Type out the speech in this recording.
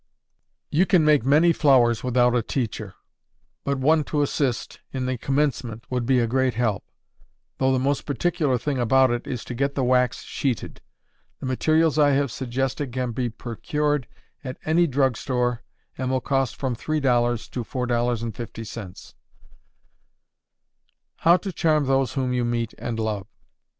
You can make many flowers without a teacher; but one to assist, in the commencement, would be a great help; though the most particular thing about it is to get the wax sheeted. The materials I have suggested can be procured at any drug store, and will cost from $3 to $4.50. _How to Charm Those Whom You Meet and Love.